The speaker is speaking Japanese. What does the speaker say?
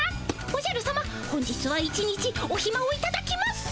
おじゃるさま本日は一日おひまをいただきます。